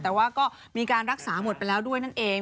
แต่ว่าก็มีการรักษาหมดไปแล้วด้วยนั่นเอง